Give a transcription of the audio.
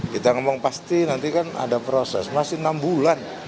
kita ngomong pasti nanti kan ada proses masih enam bulan